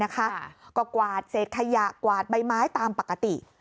ก็กวาดเศษขยะกวาดใบไม้ตามปกติ